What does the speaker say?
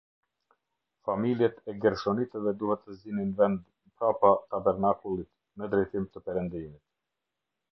Familjet e Gershonitëve duhet të zinin vend prapa tabernakullit, në drejtim të perëndimit.